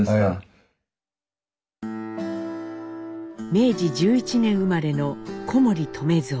明治１１年生まれの小森留蔵。